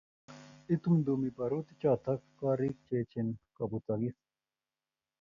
itumtumi barutichoto korik che echen kobutokis